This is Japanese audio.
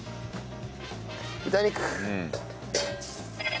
豚肉。